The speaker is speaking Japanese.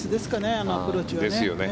あのアプローチはね。